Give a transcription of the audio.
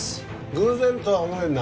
偶然とは思えんな。